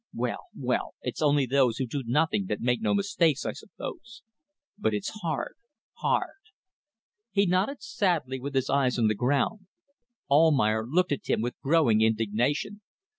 Well! well! It's only those who do nothing that make no mistakes, I suppose. But it's hard. Hard." He nodded sadly, with his eyes on the ground. Almayer looked at him with growing indignation.